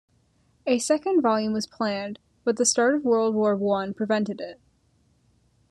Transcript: A second volume was planned, but the start of World War One prevented it.